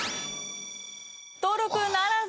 登録ならず！